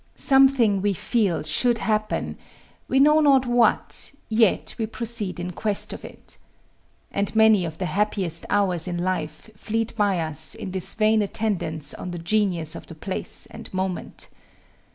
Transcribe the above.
Something, we feel, should happen; we know not what, yet we proceed in quest of it. And many of the happiest hours in life fleet by us in this vain attendance on the genius of the place and moment.